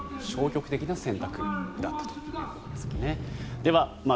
消極的な選択だったということですね。